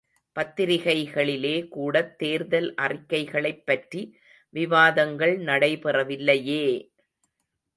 பத்திரிகைகளிலே கூடத் தேர்தல் அறிக்கைகளைப் பற்றி விவாதங்கள் நடை பெறவில்லையே!